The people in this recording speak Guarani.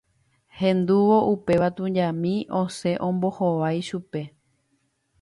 hendúvo upéva tujami osẽ ombohovái chupe